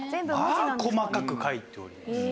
細かく書いております。